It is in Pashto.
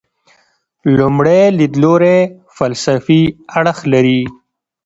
لومړی لیدلوری فلسفي اړخ لري.